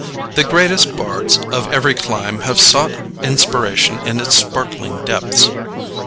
The greatest bards of every clime have sought inspiration in its sparkling depths.